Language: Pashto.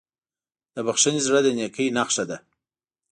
د بښنې زړه د نیکۍ نښه ده.